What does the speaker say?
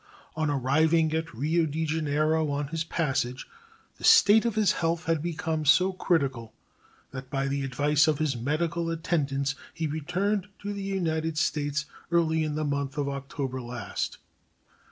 On arriving at Rio de Janeiro on his passage the state of his health had become so critical that by the advice of his medical attendants he returned to the United States early in the month of October last.